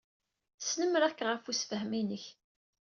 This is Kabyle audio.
Snemmireɣ-k ɣef ussefhem-inek.